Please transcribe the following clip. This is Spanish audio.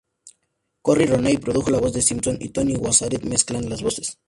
Cory Rooney produjo la voz de Simpson y Tony Maserati mezclan las voces.